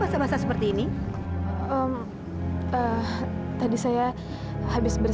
dari mana itu bisa dihujat